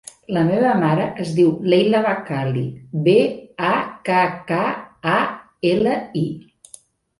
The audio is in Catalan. La meva mare es diu Leila Bakkali: be, a, ca, ca, a, ela, i.